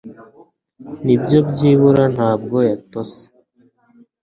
Nibyo, byibura ntabwo yatose.